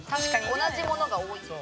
同じものが多い。